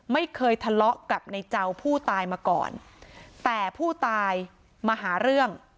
ไม่เคยทะเลาะกับในเจ้าผู้ตายมาก่อนแต่ผู้ตายมาหาเรื่อง